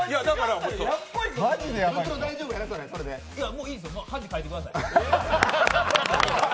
もういいです、恥かいてください。